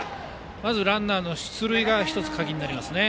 まずランナーの出塁が１つ鍵になりますね。